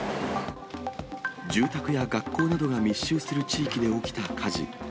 住宅や学校などが密集する地域で起きた火事。